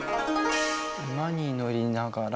馬に乗りながら。